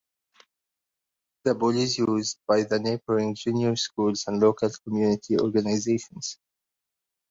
The pool is used by neighbouring junior schools and local community organisations.